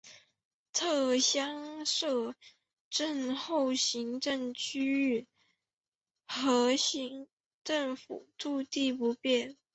撤乡设镇后行政区域和政府驻地不变。